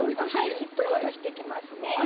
しっとりとしてきますね。